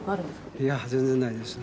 いや、全然ないですね。